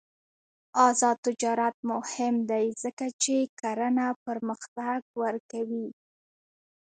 آزاد تجارت مهم دی ځکه چې کرنه پرمختګ ورکوي.